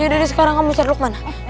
ya udah deh sekarang kamu cari lukman